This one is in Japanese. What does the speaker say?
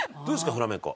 フラメンコ。